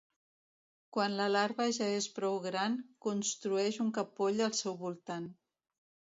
Quan la larva ja és prou gran, construeix un capoll al seu voltant.